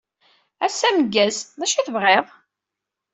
Ass ameggaz. D acu ay tebɣid?